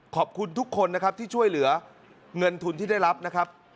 ขอบคุณทุกคนนะครับที่ช่วยเหลือเงินทุนที่ได้รับนะครับ